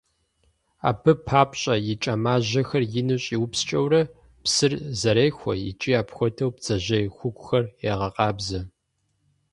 Абы папщӀэ и кӀэмажьэхэр ину щӀиупскӀэурэ, псыр зэрехуэ икӀи апхуэдэу бдзэжьей хугухэр егъэкъабзэ.